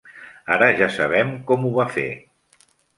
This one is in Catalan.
Ara ja sabem com ho va fer.